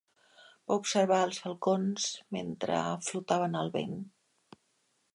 Va observar els falcons mentre flotaven al vent.